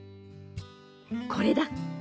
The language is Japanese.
「これだ！」